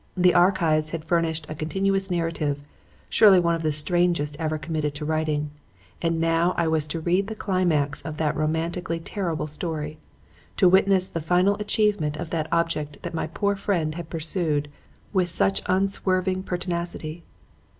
The "Archives" had furnished a continuous narrative surely one of the strangest ever committed to writing and now I was to read the climax of that romantically terrible story; to witness the final achievement of that object that my poor friend had pursued with such unswerving pertinacity.